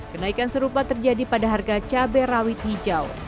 kenaikan serupa terjadi pada harga cabai rawit hijau